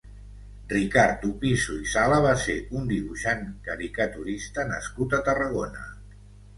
Ricard Opisso i Sala va ser un dibuixant, caricaturista nascut a Tarragona.